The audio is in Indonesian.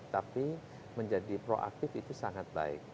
tapi menjadi proaktif itu sangat baik